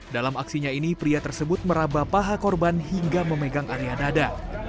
dalam aksinya ini pria tersebut merabah paha korban hingga memegang area dada